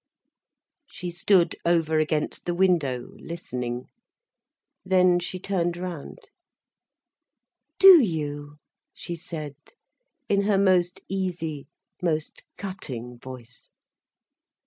She stood over against the window, listening. Then she turned round. "Do you?" she said, in her most easy, most cutting voice.